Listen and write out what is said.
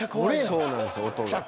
そうなんですよ音が。